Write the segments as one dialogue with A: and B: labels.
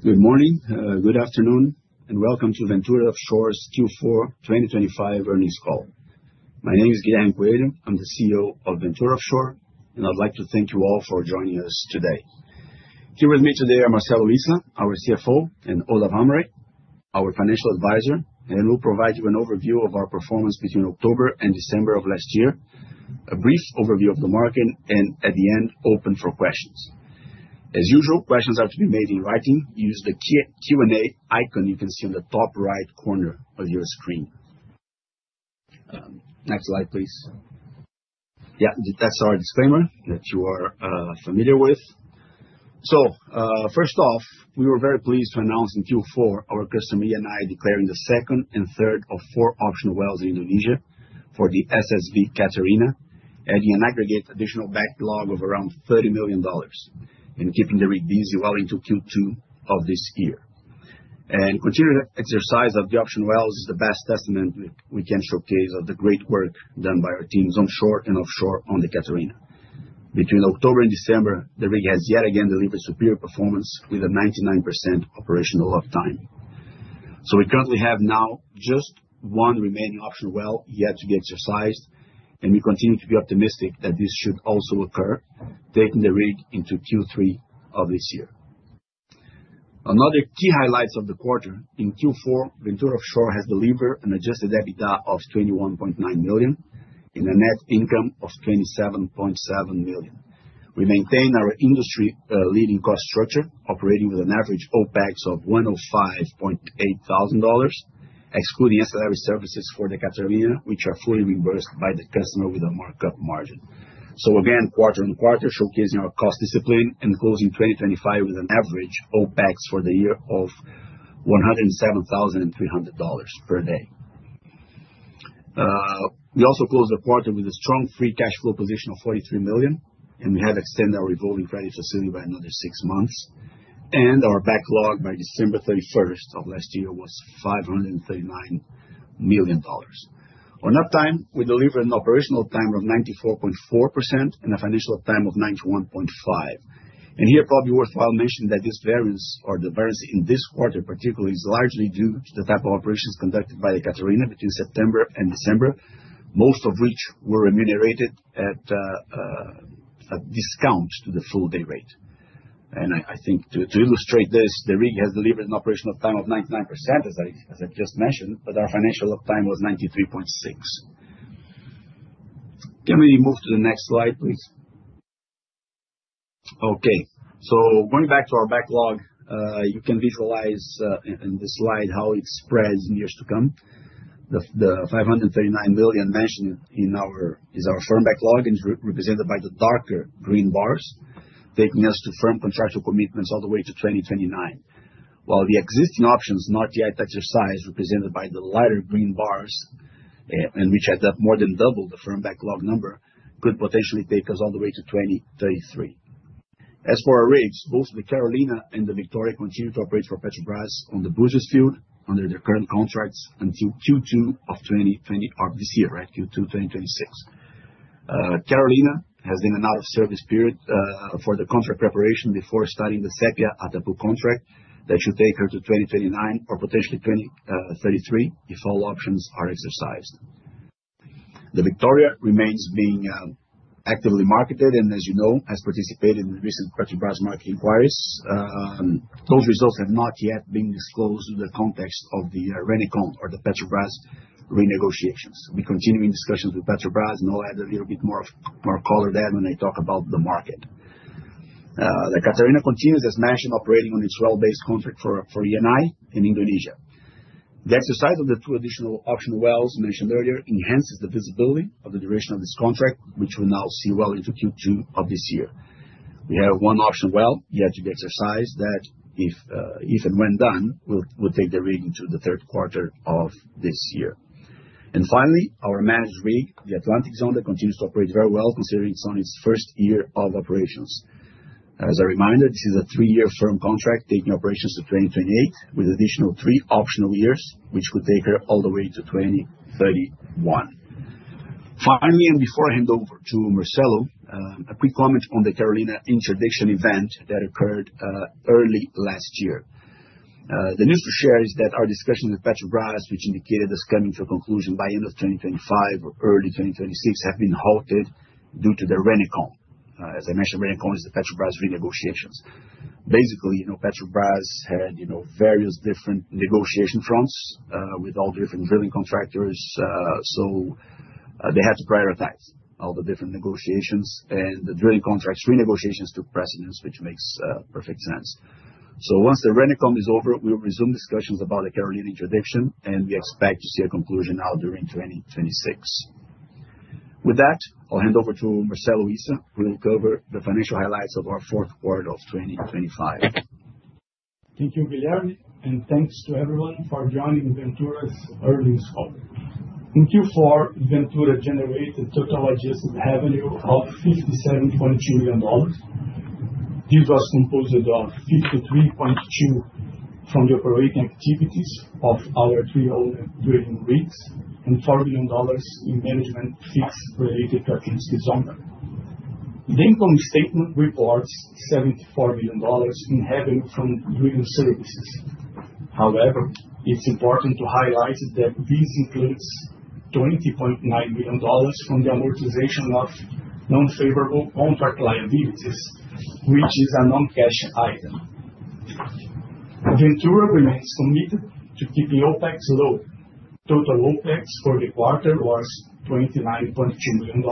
A: Good morning, good afternoon, and welcome to Ventura Offshore's Q4 2025 Earnings Call. My name is Guilherme Coelho, I'm the CEO of Ventura Offshore, and I'd like to thank you all for joining us today. Here with me today are Marcelo Issa, our CFO, and Olavo Amorim, our financial advisor, and we'll provide you an overview of our performance between October and December of last year, a brief overview of the market, and at the end, open for questions. As usual, questions are to be made in writing. Use the Q&A icon you can see on the top right corner of your screen. Next slide, please. Yeah, that's our disclaimer that you are familiar with. First off, we were very pleased to announce in Q4 our customer, Eni, declaring the second and third of four optional wells in Indonesia for the SSV Catarina, adding an aggregate additional backlog of around $30 million and keeping the rig busy well into Q2 of this year. Continued exercise of the option wells is the best testament we can showcase of the great work done by our teams onshore and offshore on the Catarina. Between October and December, the rig has yet again delivered superior performance with a 99% operational uptime. We currently have now just one remaining option well yet to be exercised, and we continue to be optimistic that this should also occur, taking the rig into Q3 of this year. Another key highlights of the quarter, in Q4, Ventura Offshore has delivered an adjusted EBITDA of $21.9 million and a net income of $27.7 million. We maintain our industry leading cost structure, operating with an average OPEX of $105.8 thousand, excluding ancillary services for the Catarina, which are fully reimbursed by the customer with a markup margin. Again, quarter-on-quarter, showcasing our cost discipline and closing 2025 with an average OPEX for the year of $107,300 per day. We also closed the quarter with a strong free cash flow position of $43 million, we have extended our revolving credit facility by another six months. Our backlog by December 31st of last year was $539 million. On uptime, we delivered an operational time of 94.4% and a financial time of 91.5%. Here, probably worthwhile mention that this variance or the variance in this quarter particularly is largely due to the type of operations conducted by the Catarina between September and December, most of which were remunerated at a discount to the full day rate. I think to illustrate this, the rig has delivered an operational time of 99%, as I just mentioned, but our financial uptime was 93.6%. Can we move to the next slide, please? Going back to our backlog, you can visualize in this slide how it spreads in years to come. The $539 million mentioned is our firm backlog and is re-represented by the darker green bars, taking us to firm contractual commitments all the way to 2029. The existing options not yet exercised, represented by the lighter green bars, and which add up more than double the firm backlog number, could potentially take us all the way to 2033. As for our rigs, both the Carolina and the Victoria continue to operate for Petrobras on the Buzios field under their current contracts until Q2 2026. Carolina has been an out of service period for the contract preparation before starting the Sépia Atapu contract that should take her to 2029 or potentially 2033 if all options are exercised. The Victoria remains being actively marketed and as you know, has participated in recent Petrobras market inquiries. Those results have not yet been disclosed in the context of the RENECO or the Petrobras renegotiations. We continue in discussions with Petrobras and I'll add a little bit more color to that when I talk about the market. The Catarina continues, as mentioned, operating on its well-based contract for ENI in Indonesia. The exercise of the 2 additional optional wells mentioned earlier enhances the visibility of the duration of this contract, which will now see well into Q2 of this year. We have 1 option well yet to be exercised that if and when done, will take the rig into the third quarter of this year. Finally, our managed rig, the Atlantic Zonda, continues to operate very well considering it's on its first year of operations. As a reminder, this is a three-year firm contract taking operations to 2028, with additional three optional years, which would take her all the way to 2031. Finally, before I hand over to Marcelo, a quick comment on the Carolina interdiction event that occurred early last year. The news to share is that our discussions with Petrobras, which indicated this coming to a conclusion by end of 2025 or early 2026, have been halted due to the RENECO. As I mentioned, RENECO is the Petrobras renegotiations. Basically, you know, Petrobras had, you know, various different negotiation fronts with all different drilling contractors. They had to prioritize all the different negotiations and the drilling contracts renegotiations took precedence, which makes perfect sense. Once the RENECO is over, we'll resume discussions about the Carolina interdiction, and we expect to see a conclusion now during 2026. With that, I'll hand over to Marcelo Issa, who will cover the financial highlights of our fourth quarter of 2025.
B: Thank you, Guilherme. Thanks to everyone for joining Ventura's earnings call. In Q4, Ventura generated total adjusted revenue of $57.2 million. This was composed of $53.2 from the operating activities of our three oil drilling rigs and $4 million in management fees related to Atlantic Zonda. The income statement reports $74 million in revenue from drilling services. It's important to highlight that this includes $20.9 million from the amortization of non-favorable contract liabilities, which is a non-cash item. Ventura remains committed to keeping OPEX low. Total OPEX for the quarter was $29.2 million,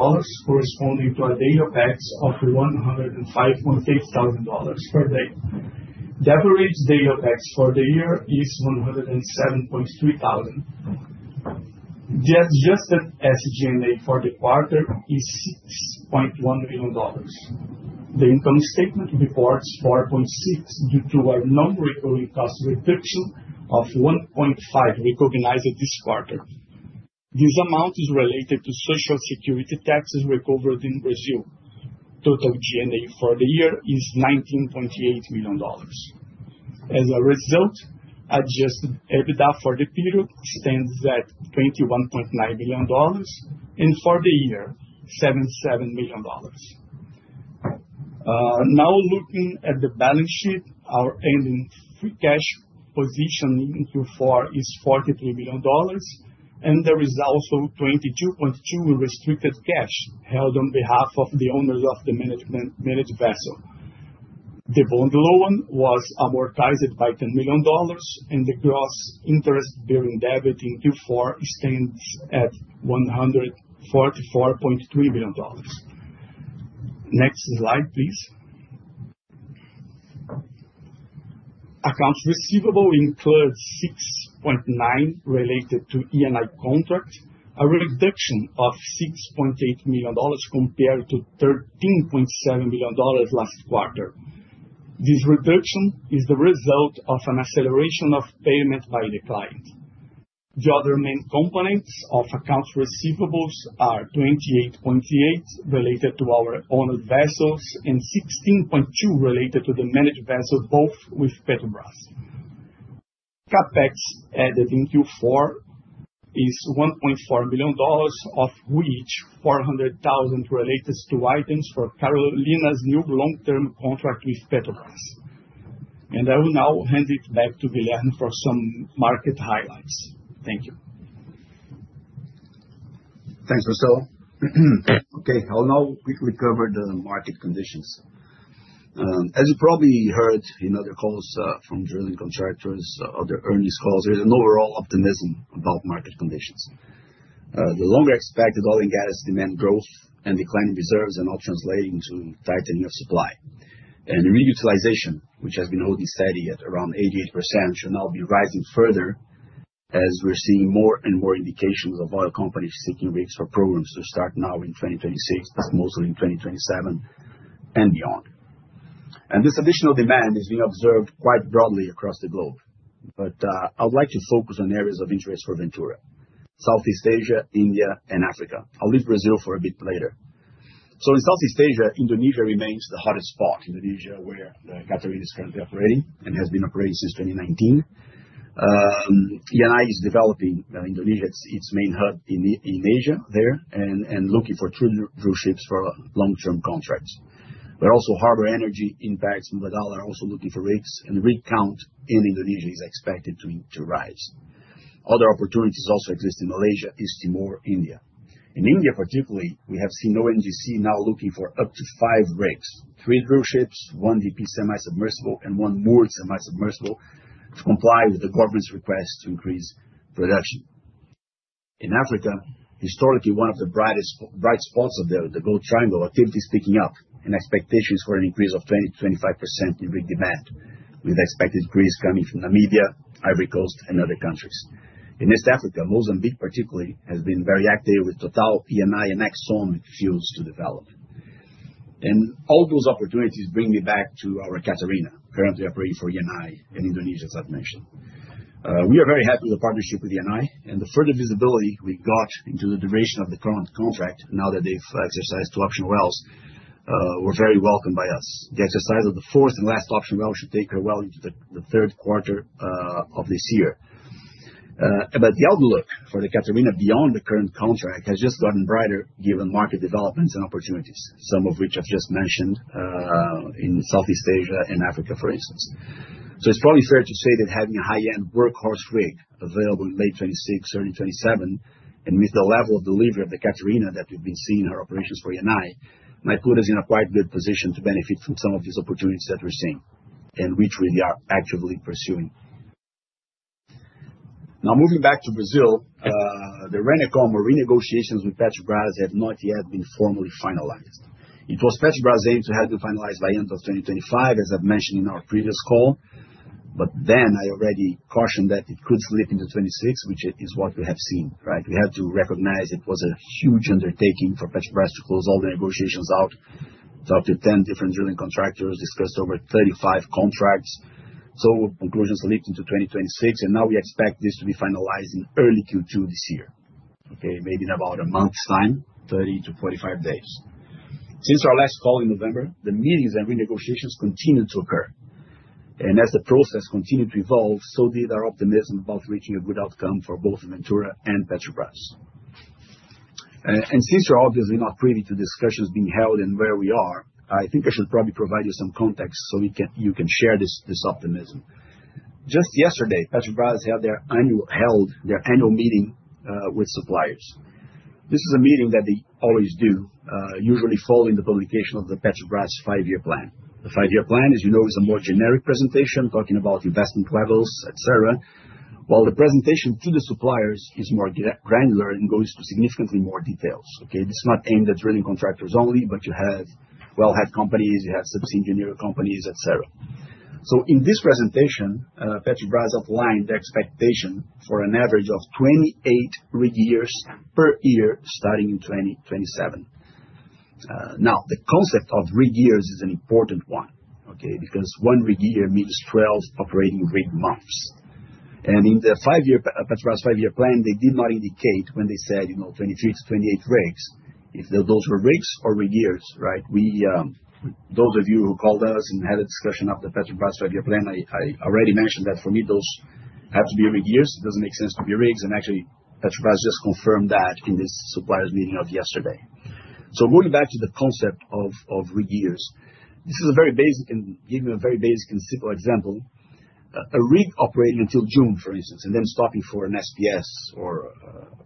B: corresponding to a day OPEX of $105.8 thousand per day. The average day OPEX for the year is $107.3 thousand. The adjusted SG&A for the quarter is $6.1 billion. The income statement reports $4.6 due to our non-recurring cost reduction of $1.5 recognized this quarter. This amount is related to social security taxes recovered in Brazil. Total G&A for the year is $19.8 million. Adjusted EBITDA for the period stands at $21.9 million and for the year, $77 million. Now looking at the balance sheet, our ending free cash position in Q4 is $43 million, and there is also $22.2 million in restricted cash held on behalf of the owners of the managed vessel. The bond loan was amortized by $10 million and the gross interest-bearing debit in Q4 stands at $144.3 million. Next slide, please. Accounts receivable includes $6.9 related to Eni contract, a reduction of $6.8 million compared to $13.7 million last quarter. This reduction is the result of an acceleration of payment by the client. The other main components of accounts receivable are $28.8 related to our owner vessels and $16.2 related to the managed vessels, both with Petrobras. CapEx added in Q4 is $1.4 billion of which $400,000 relates to items for Carolina's new long-term contract with Petrobras. I will now hand it back to Guilherme for some market highlights. Thank you.
A: Thanks, Marcelo. Okay, I'll now quickly cover the market conditions. As you probably heard in other calls, from drilling contractors, other earnings calls, there is an overall optimism about market conditions. The longer expected oil and gas demand growth and declining reserves are now translating to tightening of supply. The reutilization, which has been holding steady at around 88% should now be rising further as we're seeing more and more indications of oil companies seeking rigs for programs to start now in 2026, mostly in 2027 and beyond. This additional demand is being observed quite broadly across the globe. I would like to focus on areas of interest for Ventura, Southeast Asia, India and Africa. I'll leave Brazil for a bit later. In Southeast Asia, Indonesia remains the hottest spot. Indonesia, where the Catarina is currently operating and has been operating since 2019. Eni is developing Indonesia, its main hub in Asia there and looking for 2 drillships for long-term contracts. Harbour Energy in Repsol, Mubadala are also looking for rigs, and rig count in Indonesia is expected to rise. Other opportunities also exist in Malaysia, East Timor, India. In India particularly, we have seen ONGC now looking for up to 5 rigs, 3 drillships, 1 DP semi-submersible and 1 more semi-submersible to comply with the government's request to increase production. In Africa, historically one of the bright spots of the Golden Triangle activity is picking up and expectations for an increase of 20%-25% in rig demand, with expected increase coming from Namibia, Ivory Coast and other countries. In East Africa, Mozambique particularly has been very active with Total, Eni and Exxon fuels to develop. All those opportunities bring me back to our Catarina, currently operating for Eni in Indonesia, as I've mentioned. We are very happy with the partnership with Eni and the further visibility we got into the duration of the current contract now that they've exercised two optional wells, were very welcomed by us. The exercise of the fourth and last option well should take her well into the third quarter of this year. The outlook for the Catarina beyond the current contract has just gotten brighter given market developments and opportunities, some of which I've just mentioned, in Southeast Asia and Africa, for instance. It's probably fair to say that having a high-end workhorse rig available in late 2026, early 2027, and with the level of delivery of the Catarina that we've been seeing in her operations for Eni, might put us in a quite good position to benefit from some of these opportunities that we're seeing, and which we are actively pursuing. Moving back to Brazil, the RENECO, or renegotiations with Petrobras have not yet been formally finalized. It was Petrobras' aim to have them finalized by end of 2025, as I've mentioned in our previous call, but then I already cautioned that it could slip into 2026, which is what we have seen, right? We have to recognize it was a huge undertaking for Petrobras to close all the negotiations out. Talked to 10 different drilling contractors, discussed over 35 contracts. Conclusions slipped into 2026, and now we expect this to be finalized in early Q2 this year, okay? Maybe in about a month's time, 30-45 days. Since our last call in November, the meetings and renegotiations continued to occur. As the process continued to evolve, so did our optimism about reaching a good outcome for both Ventura and Petrobras. Since you're obviously not privy to discussions being held and where we are, I think I should probably provide you some context so we can you can share this optimism. Just yesterday, Petrobras held their annual meeting with suppliers. This is a meeting that they always do, usually following the publication of the Petrobras five-year plan. The five-year plan, as you know, is a more generic presentation talking about investment levels, et cetera, while the presentation to the suppliers is more granular and goes to significantly more details, okay? This is not aimed at drilling contractors only, but you have well head companies, you have subs engineer companies, et cetera. In this presentation, Petrobras outlined the expectation for an average of 28 rig years per year starting in 2027. Now, the concept of rig years is an important one, okay? Because one rig year means 12 operating rig months. In their five-year, Petrobras five-year plan, they did not indicate when they said, you know, 23-28 rigs, if those were rigs or rig years, right? We, those of you who called us and had a discussion after the Petrobras five-year plan, I already mentioned that for me, those have to be rig years. It doesn't make sense to be rigs, and actually, Petrobras just confirmed that in this suppliers meeting of yesterday. Going back to the concept of rig years, this is a very basic and giving a very basic and simple example. A rig operating until June, for instance, and then stopping for an SPS or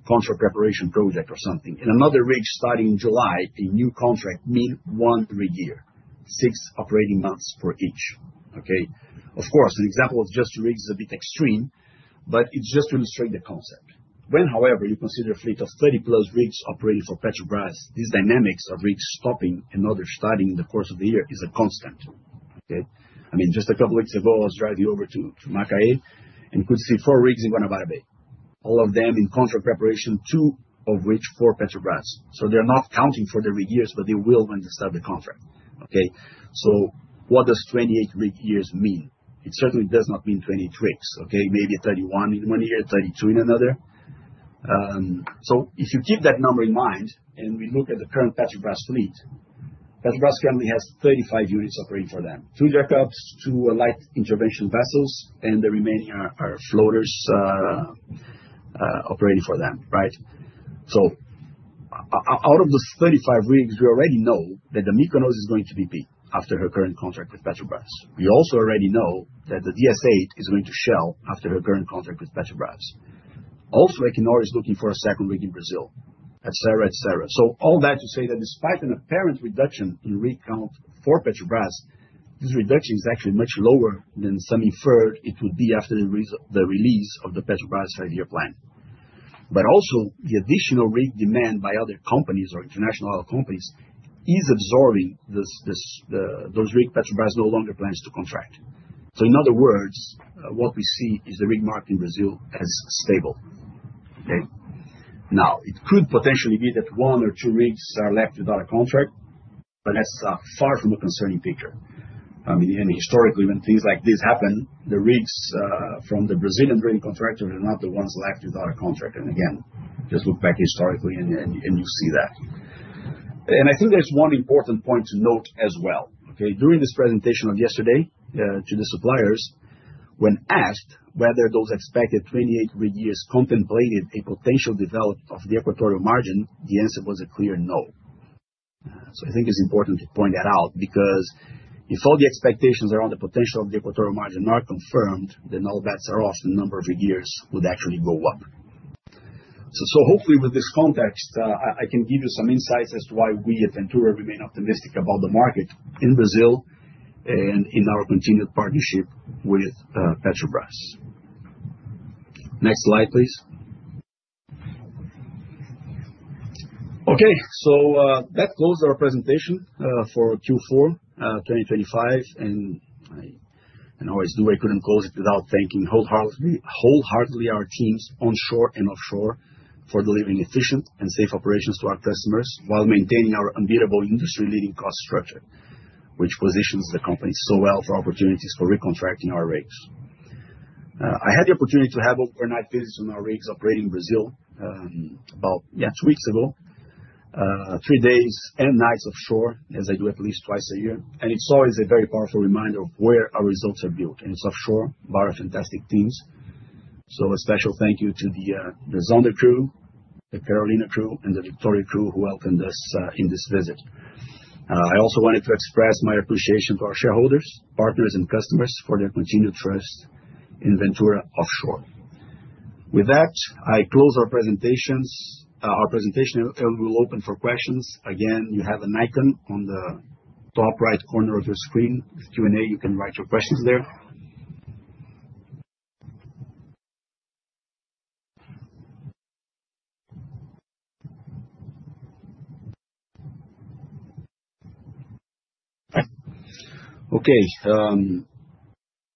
A: contract preparation project or something, and another rig starting in July, a new contract mean one rig year, six operating months for each, okay? Of course, an example of just rigs is a bit extreme, but it's just to illustrate the concept. When, however, you consider a fleet of 30+ rigs operating for Petrobras, these dynamics of rigs stopping and others starting in the course of the year is a constant, okay? I mean, just a couple weeks ago, I was driving over to Macaé and could see four rigs in Guanabara Bay, all of them in contract preparation, two of which for Petrobras. They're not counting for the rig years, but they will when they start the contract, okay? What does 28 rig years mean? It certainly does not mean 28 rigs, okay? Maybe 31 in one year, 32 in another. If you keep that number in mind, and we look at the current Petrobras fleet, Petrobras currently has 35 units operating for them, two jackups, two light intervention vessels, and the remaining are floaters operating for them, right? Out of those 35 rigs, we already know that the Mykonos is going to be beat after her current contract with Petrobras. We also already know that the DSA is going to Shell after her current contract with Petrobras. Also, Equinor is looking for a second rig in Brazil, et cetera, et cetera. All that to say that despite an apparent reduction in rig count for Petrobras, this reduction is actually much lower than some inferred it would be after the release of the Petrobras five-year plan. Also, the additional rig demand by other companies or International Oil Companies is absorbing this, those rig Petrobras no longer plans to contract. In other words, what we see is the rig market in Brazil as stable, okay? It could potentially be that one or two rigs are left without a contract, but that's far from a concerning picture. I mean, historically, when things like this happen, the rigs from the Brazilian drilling contractors are not the ones left without a contract. Again, just look back historically and you see that. I think there's one important point to note as well, okay? During this presentation of yesterday to the suppliers, when asked whether those expected 28 rig years contemplated a potential development of the equatorial margin, the answer was a clear no. I think it's important to point that out because if all the expectations around the potential of the equatorial margin are confirmed, then all bets are off, the number of rig years would actually go up. Hopefully with this context, I can give you some insights as to why we at Ventura remain optimistic about the market in Brazil and in our continued partnership with Petrobras. Next slide, please. That closes our presentation for Q4 2025. I couldn't close it without thanking wholeheartedly our teams onshore and offshore for delivering efficient and safe operations to our customers while maintaining our unbeatable industry-leading cost structure, which positions the company so well for opportunities for recontracting our rigs. I had the opportunity to have overnight visits on our rigs operating in Brazil, about two weeks ago, three days and nights offshore, as I do at least twice a year. It's always a very powerful reminder of where our results are built, and it's offshore, by our fantastic teams. A special thank you to the Zonda crew, the Carolina crew, and the Victoria crew who welcomed us in this visit. I also wanted to express my appreciation to our shareholders, partners, and customers for their continued trust in Ventura Offshore. With that, I close our presentations, our presentation and will open for questions. Again, you have an icon on the top right corner of your screen, Q&A. You can write your questions there.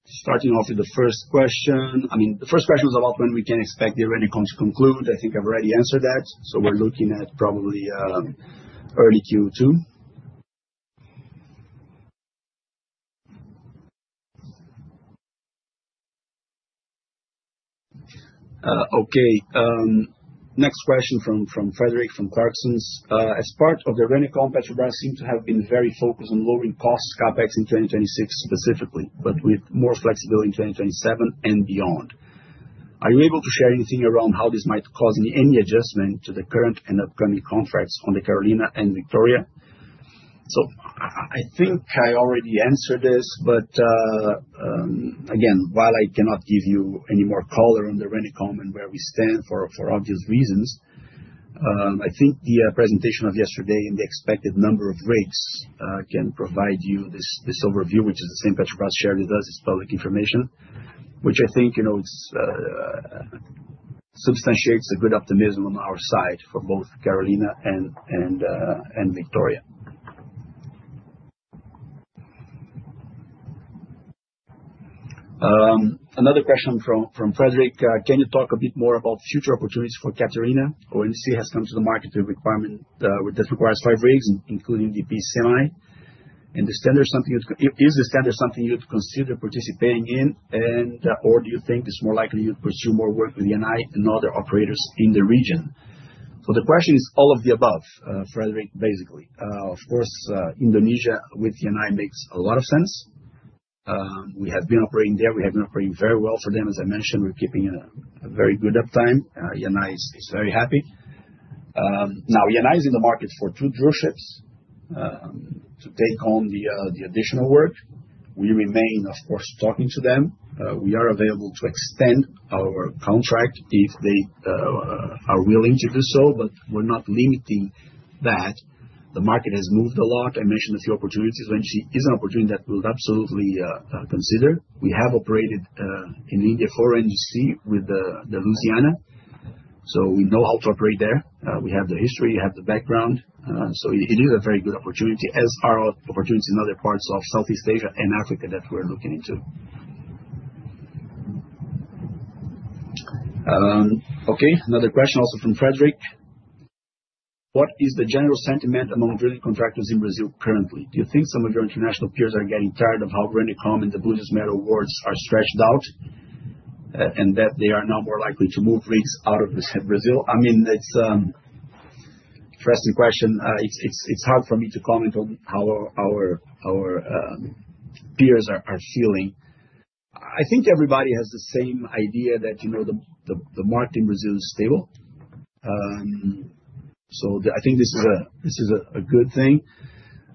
A: Starting off with the first question. I mean, the first question is about when we can expect the rig count to conclude. I think I've already answered that. We're looking at probably early Q2. Next question from Fredrik, from Clarksons.
C: As part of the RENECO, Petrobras seems to have been very focused on lowering costs CapEx in 2026 specifically, but with more flexibility in 2027 and beyond. Are you able to share anything around how this might cause any adjustment to the current and upcoming contracts on the Carolina and Victoria?
A: I think I already answered this, but again, while I cannot give you any more color on the RENECO and where we stand for obvious reasons, I think the presentation of yesterday and the expected number of rigs can provide you this overview, which is the same Petrobras shared with us. It's public information, which I think, you know, it substantiates a good optimism on our side for both Carolina and Victoria. Another question from Fredrik. Can you talk a bit more about future opportunities for Catarina? ONGC has come to the market with a requirement that requires 5 rigs, including the B Semi. Is the tender something you'd consider participating in or do you think it's more likely you'd pursue more work with United and other operators in the region? The question is all of the above, Frederick, basically. Of course, Indonesia with United makes a lot of sense. We have been operating there. We have been operating very well for them. As I mentioned, we're keeping a very good uptime. United is very happy. Now United is in the market for 2 drillships to take on the additional work. We remain, of course, talking to them. We are available to extend our contract if they are willing to do so, but we're not limiting that. The market has moved a lot. I mentioned a few opportunities is an opportunity that we'll absolutely consider. We have operated in India before with the Louisiana. We know how to operate there. We have the history, we have the background. It is a very good opportunity, as are opportunities in other parts of Southeast Asia and Africa that we're looking into. Okay, another question also from Frederick. What is the general sentiment among drilling contractors in Brazil currently? Do you think some of your international peers are getting tired of how RENECO and the Búzios awards are stretched out, and that they are now more likely to move rigs out of Brazil? I mean, it's interesting question. It's hard for me to comment on how our peers are feeling. I think everybody has the same idea that, you know, the market in Brazil is stable. I think this is a good thing.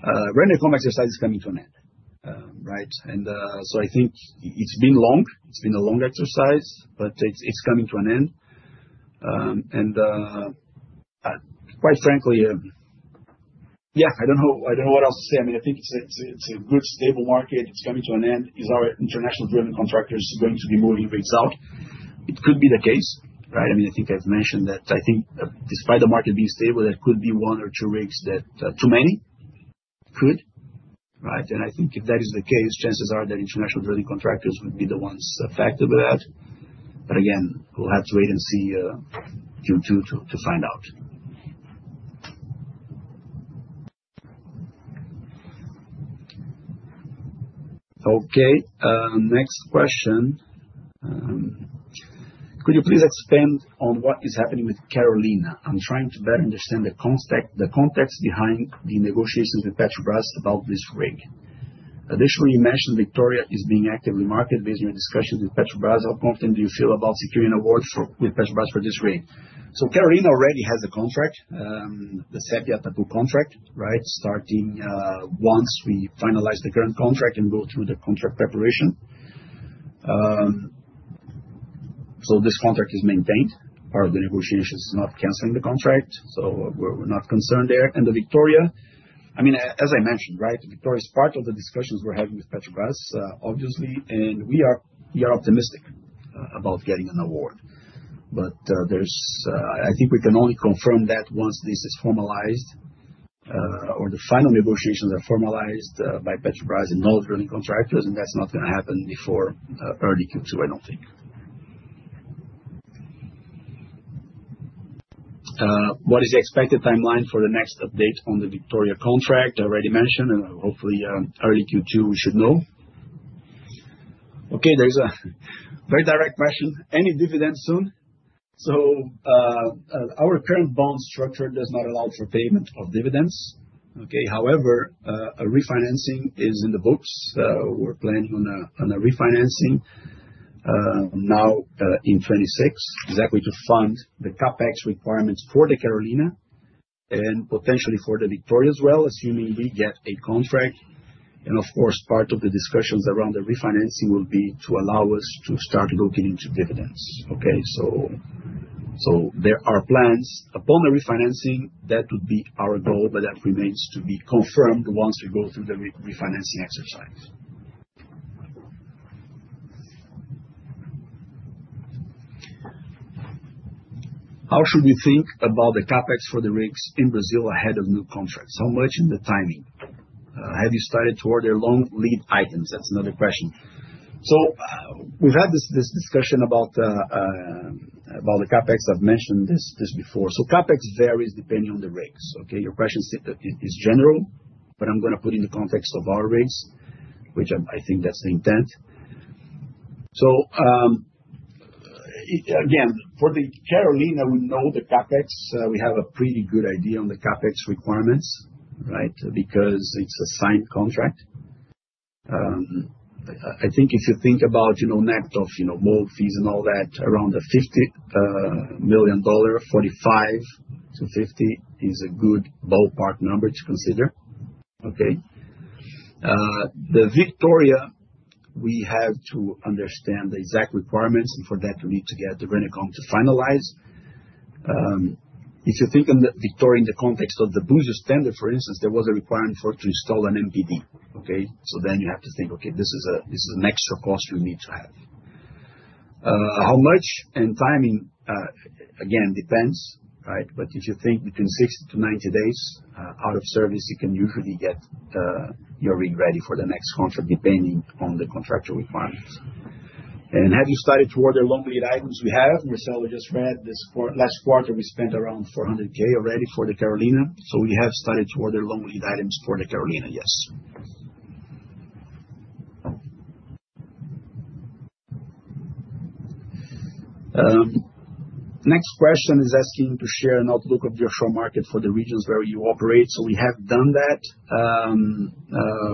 A: RENECO exercise is coming to an end, right? I think it's been long, it's been a long exercise, but it's coming to an end. Quite frankly, yeah, I don't know what else to say. I mean, I think it's a good stable market. It's coming to an end. Is our international drilling contractors going to be moving rigs out? It could be the case, right? I mean, I think I've mentioned that I think despite the market being stable, there could be one or two rigs that are too many. Could, right? I think if that is the case, chances are that international drilling contractors would be the ones affected by that. Again, we'll have to wait and see, Q2 to find out. Okay, next question. Could you please expand on what is happening with Carolina? I'm trying to better understand the context behind the negotiations with Petrobras about this rig. Additionally, you mentioned Victoria is being actively marketed based on your discussions with Petrobras. How confident do you feel about securing awards with Petrobras for this rig? Carolina already has a contract, the Sépia Tupã contract, right? Starting, once we finalize the current contract and go through the contract preparation. This contract is maintained. Part of the negotiation is not canceling the contract, so we're not concerned there. The Victoria, as I mentioned, right, Victoria is part of the discussions we're having with Petrobras, obviously, and we are optimistic about getting an award. There's I think we can only confirm that once this is formalized, or the final negotiations are formalized, by Petrobras and all drilling contractors, and that's not gonna happen before early Q2, I don't think. What is the expected timeline for the next update on the Victoria contract? Already mentioned and hopefully, early Q2, we should know. Okay, there's a very direct question. Any dividends soon? Our current bond structure does not allow for payment of dividends, okay? However, a refinancing is in the books. We're planning on a refinancing now in 26. Exactly to fund the CapEx requirements for the Carolina and potentially for the Victoria as well, assuming we get a contract. Of course, part of the discussions around the refinancing will be to allow us to start looking into dividends, okay? There are plans. Upon the refinancing, that would be our goal, but that remains to be confirmed once we go through the refinancing exercise. How should we think about the CapEx for the rigs in Brazil ahead of new contracts? How much in the timing? Have you started to order long lead items? That's another question. We've had this discussion about the CapEx. I've mentioned this before. CapEx varies depending on the rigs, okay? Your question is general, but I'm gonna put in the context of our rigs. I think that's the intent. Again, for the Carolina, we know the CapEx. We have a pretty good idea on the CapEx requirements, right? Because it's a signed contract. I think if you think about, you know, net of, you know, mold fees and all that, around the $50 million, $45-$50 is a good ballpark number to consider, okay. The Victoria, we have to understand the exact requirements, and for that we need to get the RENECO to finalize. If you think on the Victoria in the context of the Bureau Veritas standard, for instance, there was a requirement for it to install an MPD, okay. You have to think, "Okay, this is an extra cost we need to have." How much and timing again depends, right? If you think between 60-90 days out of service, you can usually get your rig ready for the next contract depending on the contractual requirements. Have you started to order long-lead items? We have. Marcelo just read last quarter, we spent around $400K already for the DS Carolina, so we have started to order long-lead items for the DS Carolina, yes. Next question is asking to share an outlook of your shore market for the regions where you operate. We have done that.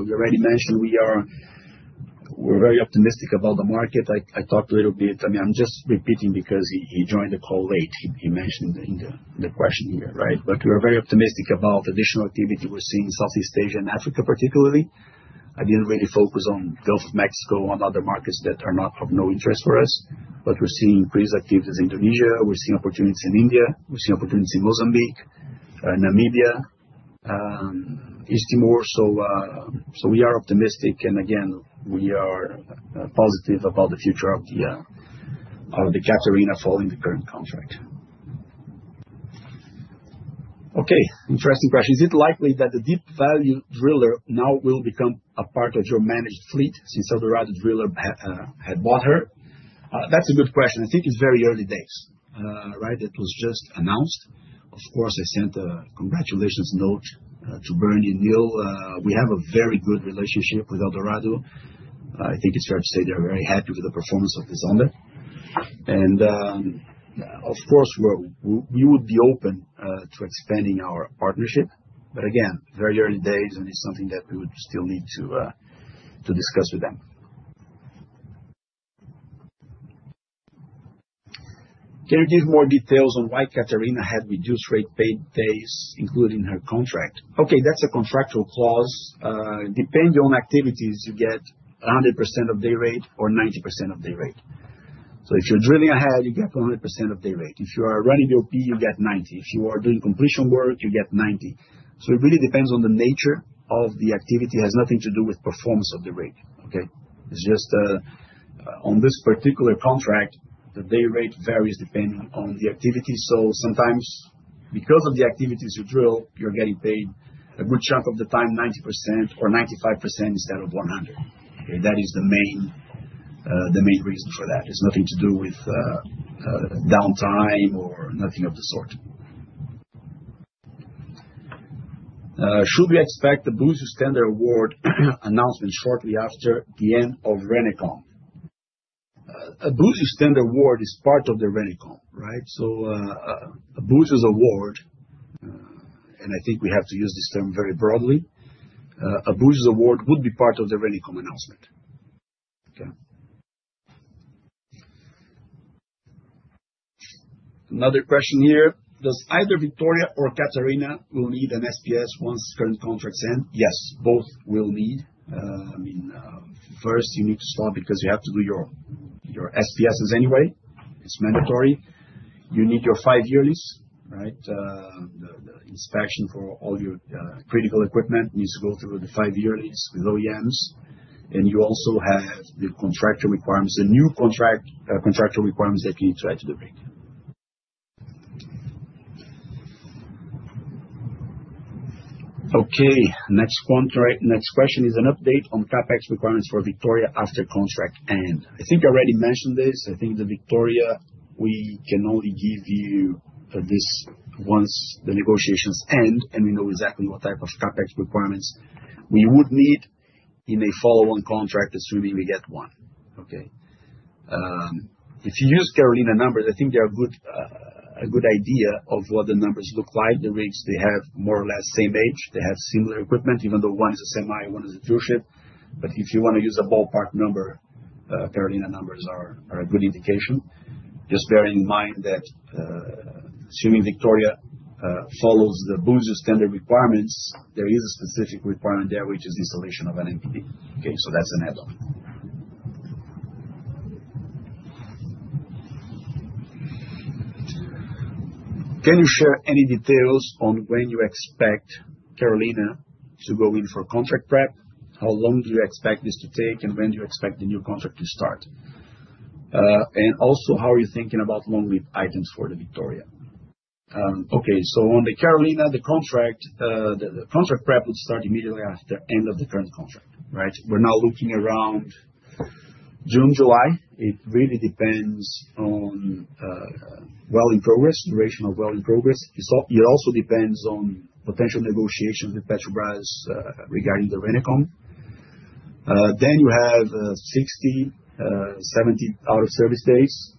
A: We already mentioned we're very optimistic about the market. I talked a little bit. I mean, I'm just repeating because he joined the call late. He mentioned in the question here, right? We are very optimistic about additional activity we're seeing in Southeast Asia and Africa particularly. I didn't really focus on Gulf of Mexico and other markets that are not of no interest for us, but we're seeing increased activities Indonesia. We're seeing opportunities in India. We're seeing opportunities in Mozambique, Namibia, East Timor. We are optimistic, and again, we are positive about the future of the Catarina following the current contract. Okay, interesting question. Is it likely that the Deep Value Driller now will become a part of your managed fleet since Eldorado Drilling had bought her? That's a good question. I think it's very early days, right. It was just announced. Of course, I sent a congratulations note to Bernie Neil. We have a very good relationship with Eldorado. I think it's fair to say they're very happy with the performance of the Zonda. Of course, we would be open to expanding our partnership, but again, very early days, and it's something that we would still need to discuss with them. Can you give more details on why Catarina had reduced rate paid days included in her contract? Okay, that's a contractual clause. Depending on activities, you get 100% of day rate or 90% of day rate. If you're drilling ahead, you get 100% of day rate. If you are running BOP, you get 90. If you are doing completion work, you get 90. It really depends on the nature of the activity. It has nothing to do with performance of the rig, okay? It's just on this particular contract, the day rate varies depending on the activity. Sometimes because of the activities you drill, you're getting paid a good chunk of the time, 90% or 95% instead of 100%. Okay. That is the main, the main reason for that. It's nothing to do with downtime or nothing of the sort. Should we expect the Buenos Aires standard award announcement shortly after the end of RENECO? A Buenos Aires standard award is part of the RENECO, right? A Buenos Aires' award, and I think we have to use this term very broadly. A Buenos Aires' award would be part of the RENECO announcement. Okay. Another question here. Does either Victoria or Catarina will need an SPS once current contracts end? Yes, both will need... I mean, first you need to stop because you have to do your SPS's anyway. It's mandatory. You need your five-year lease, right? The inspection for all your critical equipment needs to go through the five-year lease with OEMs, and you also have the contractor requirements, the new contract, contractual requirements that you need to try to do. Okay, next contract. Next question is an update on CapEx requirements for Victoria after contract end. I think I already mentioned this. I think the Victoria, we can only give you this once the negotiations end, and we know exactly what type of CapEx requirements we would need in a follow-on contract, assuming we get one, okay. If you use Carolina numbers, I think they are good, a good idea of what the numbers look like. The rigs, they have more or less same age. They have similar equipment, even though one is a semi, one is a drillship. If you wanna use a ballpark number, Carolina numbers are a good indication. Just bear in mind that, assuming Victoria follows the Búzios standard requirements, there is a specific requirement there, which is installation of an MPV. That's an add-on. Can you share any details on when you expect Carolina to go in for contract prep? How long do you expect this to take, and when do you expect the new contract to start? And also, how are you thinking about long-lead items for the Victoria? On the Carolina, the contract, the contract prep will start immediately after end of the current contract, right? We're now looking around June, July, it really depends on well in progress, duration of well in progress. It also depends on potential negotiations with Petrobras regarding the RENECO. You have 60, 70 out of service days.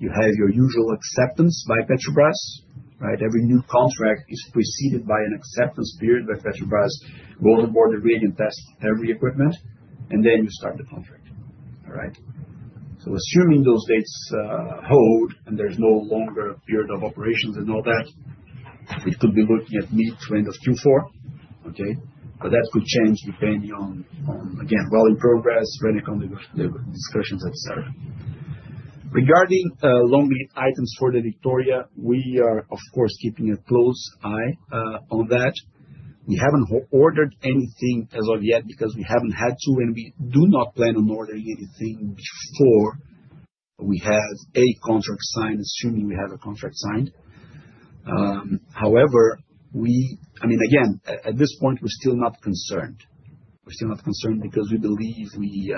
A: You have your usual acceptance by Petrobras, right? Every new contract is preceded by an acceptance period by Petrobras go onboard the rig and test every equipment, and then you start the contract. All right? Assuming those dates hold, and there's no longer period of operations and all that, we could be looking at mid to end of Q4, okay? That could change depending on, again, well in progress, RENECO discussions, et cetera. Regarding long lead items for the Victoria, we are, of course, keeping a close eye on that. We haven't ordered anything as of yet because we haven't had to, and we do not plan on ordering anything before we have a contract signed, assuming we have a contract signed. However, I mean, again, at this point, we're still not concerned. We're still not concerned because we believe we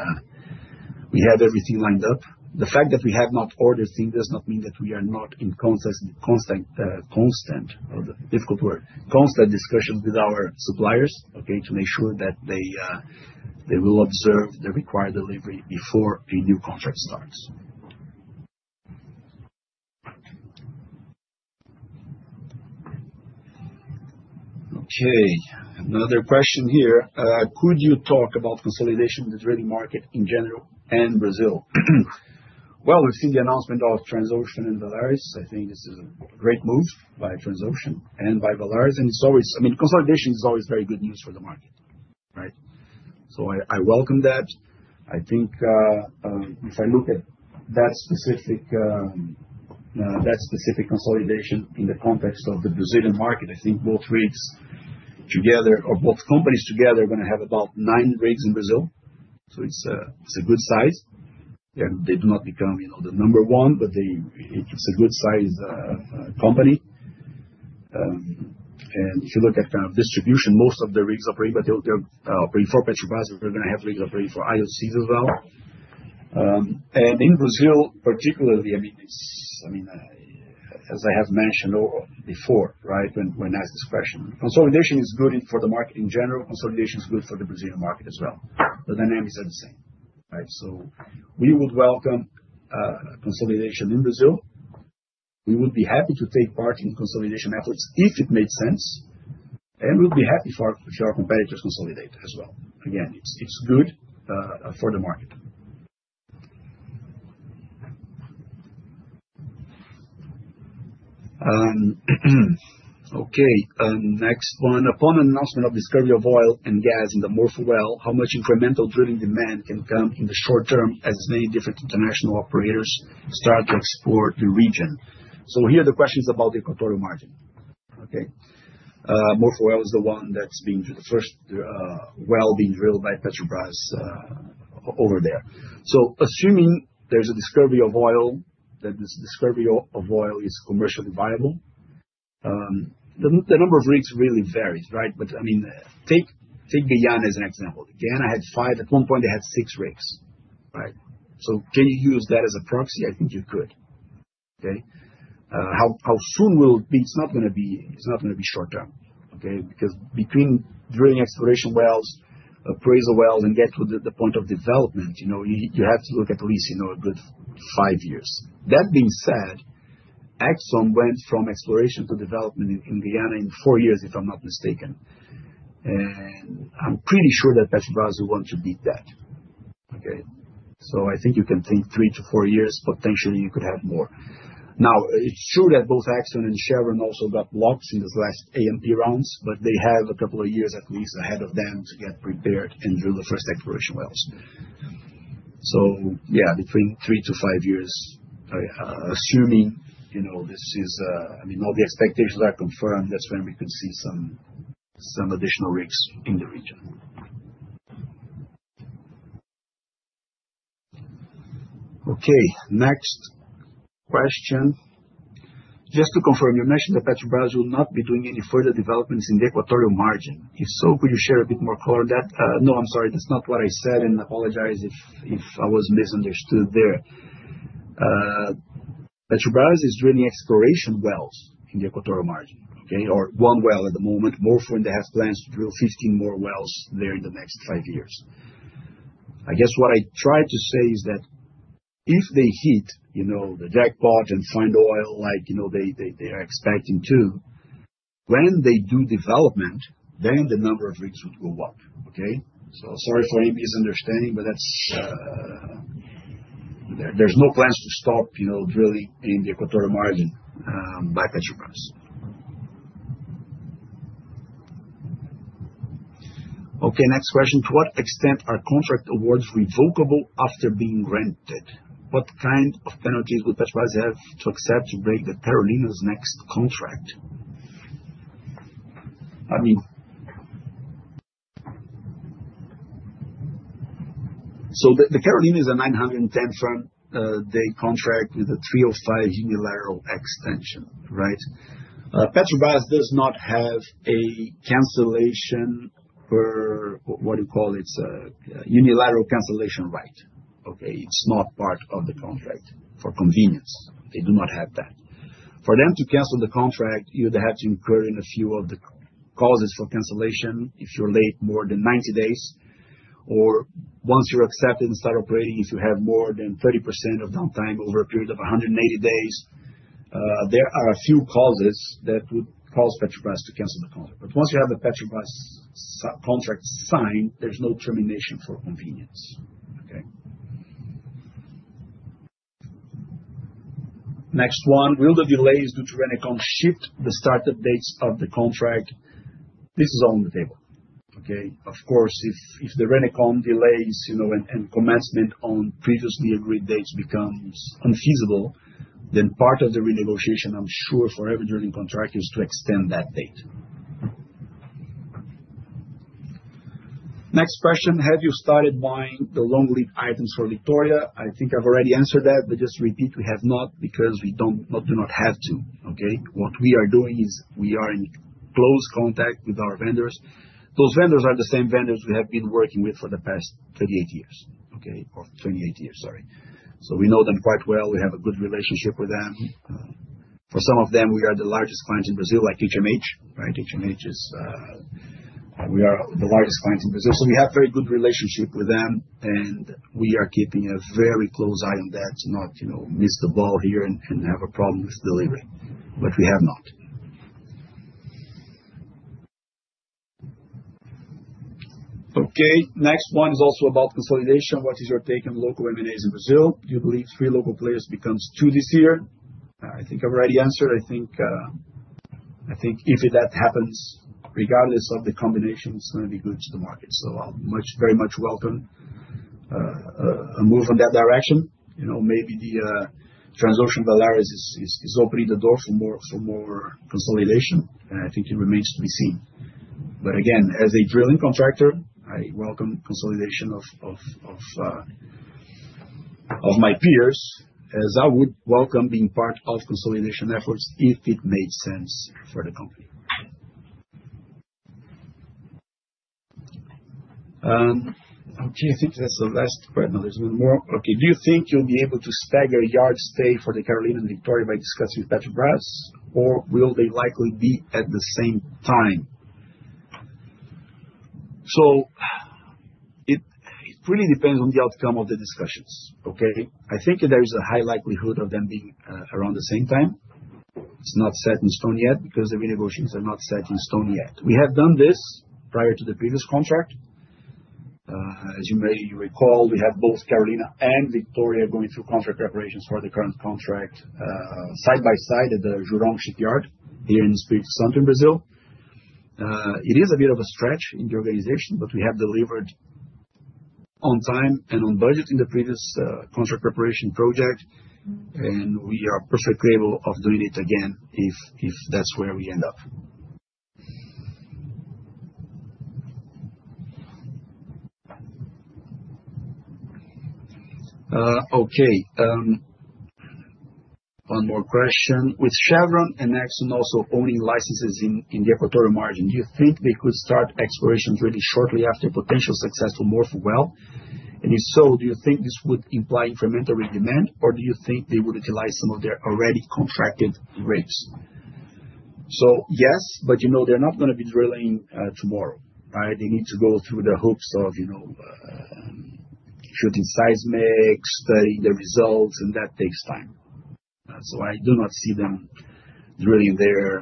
A: have everything lined up. The fact that we have not ordered things does not mean that we are not in constant discussions with our suppliers, okay? To make sure that they will observe the required delivery before a new contract starts. Okay, another question here. Could you talk about consolidation in the drilling market in general and Brazil? Well, we've seen the announcement of Transocean and Valaris. I think this is a great move by Transocean and by Valaris, and it's always... I mean, consolidation is always very good news for the market, right? I welcome that. I think if I look at that specific, that specific consolidation in the context of the Brazilian market, I think both rigs together or both companies together are gonna have about nine rigs in Brazil, so it's a good size. They, they do not become, you know, the number one, but it's a good size company. If you look at kind of distribution, most of the rigs operate, but they're operating for Petrobras, but they're gonna have rigs operating for IOCs as well. In Brazil, particularly, I mean, it's, as I have mentioned or before, right, when asked this question, consolidation is good for the market in general. Consolidation is good for the Brazilian market as well. The dynamics are the same, right? We would welcome consolidation in Brazil. We would be happy to take part in consolidation efforts if it made sense, and we'll be happy if our competitors consolidate as well. Again, it's good for the market. Next one. Upon announcement of discovery of oil and gas in the Morpho well, how much incremental drilling demand can come in the short term as many different international operators start to explore the region? Here the question is about the equatorial margin. Okay. Morpho well is the one that's being the first well being drilled by Petrobras over there. Assuming there's a discovery of oil, that this discovery of oil is commercially viable, the number of rigs really varies, right? I mean, take Guyana as an example. Guyana had 5, at one point they had 6 rigs, right? Can you use that as a proxy? I think you could. Okay? How, how soon will it be? It's not gonna be short term, okay? Because between drilling exploration wells, appraisal wells, and get to the point of development, you know, you have to look at least, you know, a good five years. That being said, Exxon went from exploration to development in Guyana in four years, if I'm not mistaken. I'm pretty sure that Petrobras will want to beat that. Okay? I think you can think three-four years. Potentially, you could have more. It's true that both Exxon and Chevron also got blocks in these last ANP rounds, but they have two years at least ahead of them to get prepared and drill the first exploration wells. Yeah, between three-five years, assuming, you know, this is, I mean, all the expectations are confirmed, that's when we could see some additional rigs in the region. Okay. Next question. Just to confirm, you mentioned that Petrobras will not be doing any further developments in the equatorial margin. If so, could you share a bit more color on that? No, I'm sorry. That's not what I said, and I apologize if I was misunderstood there. Petrobras is drilling exploration wells in the equatorial margin, okay? One well at the moment. Morpho, they have plans to drill 15 more wells there in the next five years. I guess what I tried to say is that if they hit, you know, the jackpot and find oil like, you know, they are expecting to, when they do development, then the number of rigs would go up, okay? Sorry for any misunderstanding, but that's. There's no plans to stop, you know, drilling in the equatorial margin by Petrobras. Next question. To what extent are contract awards revocable after being granted? What kind of penalties would Petrobras have to accept to break the Carolina's next contract? I mean. The Carolina is a 910 front day contract with a three or five unilateral extension, right? Petrobras does not have a unilateral cancellation right, okay? It's not part of the contract for convenience. They do not have that. For them to cancel the contract, you would have to incur in a few of the causes for cancellation. If you're late more than 90 days, or once you're accepted and start operating, if you have more than 30% of downtime over a period of 180 days, there are a few causes that would cause Petrobras to cancel the contract. But once you have the Petrobras contract signed, there's no termination for convenience. Okay. Next one: Will the delays due to RENECO shift the startup dates of the contract? This is all on the table. Okay. Of course, if the RENECO delays, you know, and commencement on previously agreed dates becomes unfeasible, then part of the renegotiation, I'm sure for every drilling contractor, is to extend that date. Next question: Have you started buying the long lead items for Victoria? I think I've already answered that, but just repeat, we have not because we do not have to, okay. What we are doing is we are in close contact with our vendors. Those vendors are the same vendors we have been working with for the past 38 years, okay. 28 years, sorry. We know them quite well. We have a good relationship with them. For some of them, we are the largest client in Brazil, like HMH, right? HMH is, we are the largest clients in Brazil, so we have very good relationship with them, and we are keeping a very close eye on that to not, you know, miss the ball here and have a problem with delivery. We have not. Okay. Next one is also about consolidation. What is your take on local M&As in Brazil? Do you believe three local players becomes two this year? I think I've already answered. I think if that happens, regardless of the combination, it's gonna be good to the market. I'll very much welcome a move in that direction. You know, maybe the transaction of Valaris is opening the door for more consolidation, and I think it remains to be seen. Again, as a drilling contractor, I welcome consolidation of my peers, as I would welcome being part of consolidation efforts if it made sense for the company. Okay, I think that's the last question. No, there's 1 more. Okay. Do you think you'll be able to stagger yard stay for the Carolina and Victoria by discussing with Petrobras, or will they likely be at the same time? It really depends on the outcome of the discussions, okay. I think there is a high likelihood of them being around the same time. It's not set in stone yet because the renegotiations are not set in stone yet. We have done this prior to the previous contract. As you may recall, we had both Carolina and Victoria going through contract preparations for the current contract side by side at the Jurong shipyard here in Espirito Santo in Brazil. It is a bit of a stretch in the organization, but we have delivered on time and on budget in the previous contract preparation project, and we are perfectly able of doing it again if that's where we end up. Okay. One more question: With Chevron and Exxon also owning licenses in the Equatorial margin, do you think they could start exploration drilling shortly after a potential successful Morpho well? If so, do you think this would imply incremental demand, or do you think they would utilize some of their already contracted rigs? Yes, but you know, they're not gonna be drilling tomorrow, right? They need to go through the hoops of, you know, shooting seismics, studying the results, and that takes time. I do not see them drilling there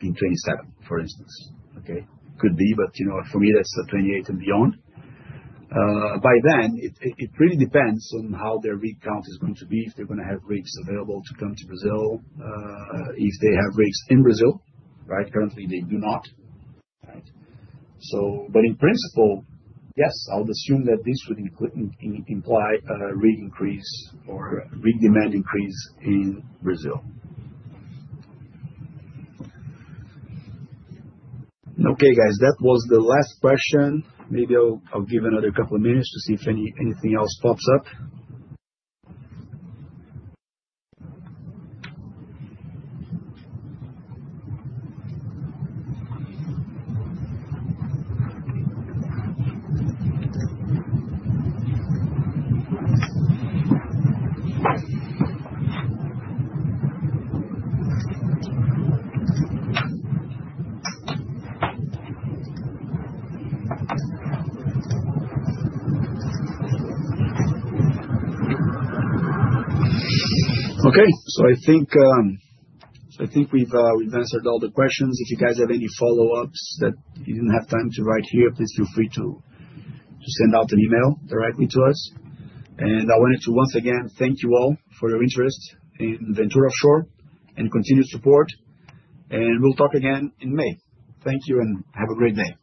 A: in 2027, for instance. Okay. Could be, you know, for me, that's 28 and beyond. By then, it really depends on how their rig count is going to be, if they're gonna have rigs available to come to Brazil, if they have rigs in Brazil, right? Currently they do not. Right. In principle, yes, I'll assume that this would imply a rig increase or rig demand increase in Brazil. Okay, guys, that was the last question. Maybe I'll give another couple of minutes to see if anything else pops up. Okay. I think we've answered all the questions. If you guys have any follow-ups that you didn't have time to write here, please feel free to send out an email directly to us. I wanted to once again thank you all for your interest in Ventura Offshore and continued support, and we'll talk again in May. Thank you and have a great day.